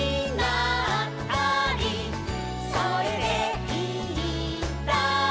「それでいいんだ」